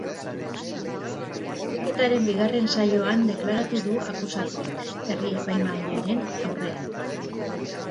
Epaiketaren bigarren saioan deklaratu du akusatuak herri-epaimahaiaren aurrean.